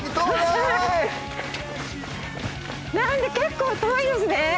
なんで結構遠いですね。